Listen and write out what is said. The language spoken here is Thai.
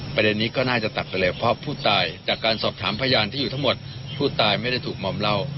ประเด็นนี้ก็น่าจะตัดไปเลยเพราะผู้ตายจากการสอบถามพยานที่อยู่ทั้งหมดผู้ตายไม่ได้ถูกมอมเหล้า